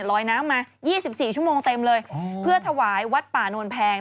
ลอยน้ำมา๒๔ชั่วโมงเต็มเลยเพื่อถวายวัดป่านวลแพง